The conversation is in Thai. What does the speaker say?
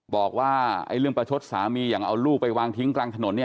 บอกว่าไอ้เรื่องประชดสามีอย่างเอาลูกไปวางทิ้งกลางถนนเนี่ย